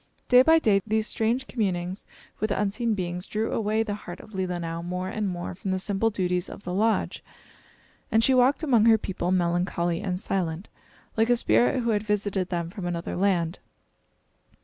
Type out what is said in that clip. Day by day these strange communings with unseen beings drew away the heart of Leelinau more and more from the simple duties of the lodge, and she walked among her people, melancholy and silent, like a spirit who had visited them from another land.